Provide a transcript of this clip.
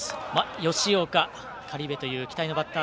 吉岡、苅部という期待のバッター。